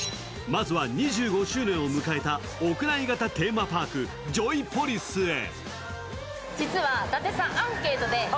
まずは、２５周年を迎えた屋内型テーマパーク、ジョイポリスへ。